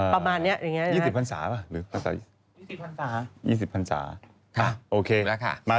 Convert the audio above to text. ประมาณนี้อย่างนี้นะครับหรือพันศา๒๐พันศาหรือพันศา๒๐พันศา